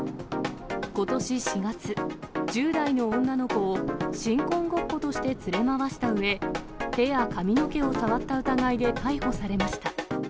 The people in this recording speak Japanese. ことし４月、１０代の女の子を新婚ごっことして連れ回したうえ、手や髪の毛を触った疑いで逮捕されました。